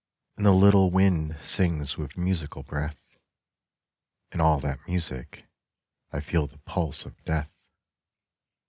And the little wind sings with musical breath (In all that music I feel the pulse of Death).